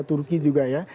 turki juga ya